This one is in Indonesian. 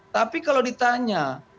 tapi kalau ditanya